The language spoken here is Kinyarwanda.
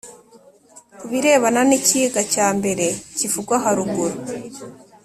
ku birebana n igika cya mbere kivugwa haruguru